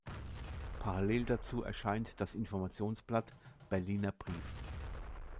Parallel dazu erscheint das Informationsblatt „Berliner Brief“.